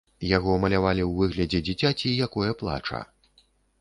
Яго малявалі ў выглядзе дзіцяці, якое плача.